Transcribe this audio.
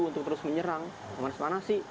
untuk terus menyerang memanas manasi